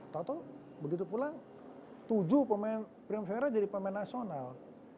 tau tau begitu pulang tujuh pemain prime vera jadi pemain nasional